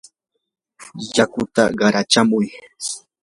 laqatu qarachakunmi.